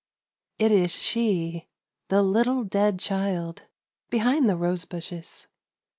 IT is she, the little dead child, behind the rose bushes.